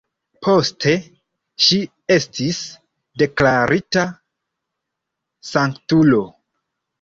Poste ŝi estis deklarita sanktulo.